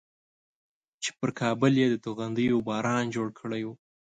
چې پر کابل یې د توغندیو باران جوړ کړی و.